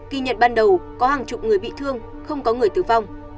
kỳ nhận ban đầu có hàng chục người bị thương không có người tử vong